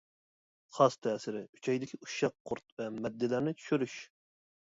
خاس تەسىرى ئۈچەيدىكى ئۇششاق قۇرت ۋە مەددىلەرنى چۈشۈرۈش.